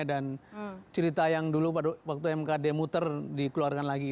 dan cerita yang dulu waktu mkd muter dikeluarkan lagi